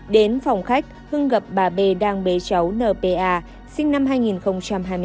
đến phòng khách hưng gặp bà b đang bế cháu npa sinh năm hai nghìn hai mươi bốn